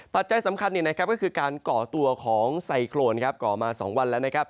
ปัจจัยสำคัญก็คือการก่อตัวของไซโครนก่อมา๒วันแล้วนะครับ